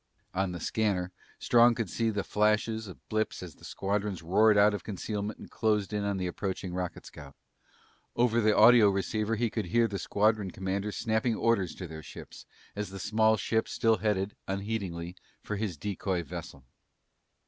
On the scanner, Strong could see the flashes of blips as the squadrons roared out of concealment and closed in on the approaching rocket scout. Over the audioceiver he could hear the squadron commanders snapping orders to their ships as the small ship still headed, unheedingly, for his decoy vessel.